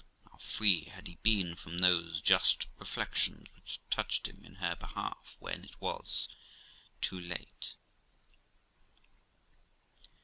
And how free had he been from those just reflections which touched him in her behalf when it was too late